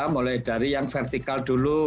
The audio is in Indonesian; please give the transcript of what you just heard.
mulai dari yang vertikal dulu